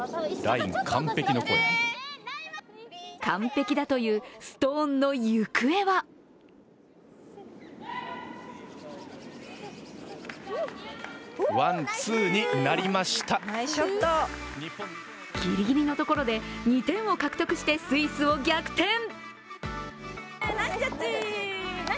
完璧だというストーンの行方はぎりぎりのところで２点を獲得してスイスを逆転。